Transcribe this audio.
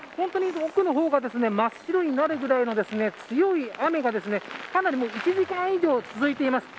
奥の方が真っ白になるくらいの強い雨が、かなり１時間以上続いています。